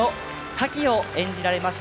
タキを演じられました